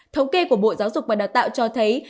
thống kê của bộ giáo dục và đào tạo cho thấy